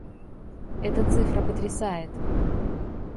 Эта цифра потрясает.